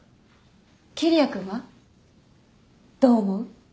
桐矢君は？どう思う？